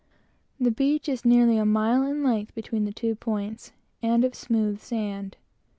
The beach is nearly a mile in length between the two points, and of smooth sand.